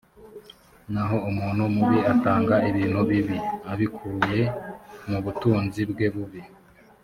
naho umuntu mubi atanga ibintu bibi abikuye mu butunzi bwe bubi